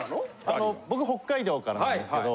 あの僕北海道からなんですけど。